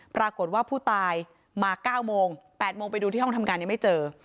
ปรากฏว่าผู้ตายมา๙โมง๘โมงไปดูที่ห้องทำงานยังไม่เจอ